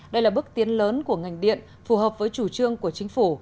đây là bước tiến lớn của ngành điện phù hợp với chủ trương của chính phủ